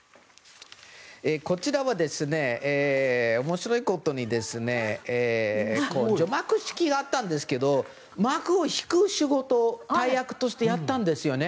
こちらは、面白いことに除幕式があったんですけど幕を引く仕事を大役としてやったんです。